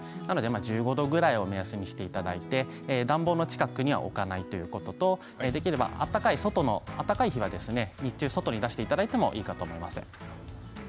１５度くらいを目安にしていただいて暖房の近くには置かないということと出来れば暖かい日は日中外に出していただいてもいいと思います。